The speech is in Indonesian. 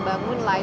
kan drei hari